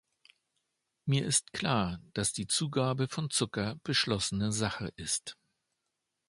Mir ist klar, dass die Zugabe von Zucker beschlossene Sache ist.